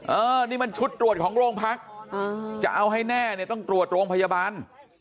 เออนี่มันชุดตรวจของโรงพักจะเอาให้แน่เนี่ยต้องตรวจโรงพยาบาล